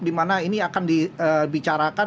dimana ini akan dibicarakan